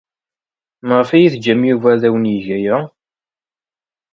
Maɣef ay tettaǧǧam Yuba ad awen-yeg aya?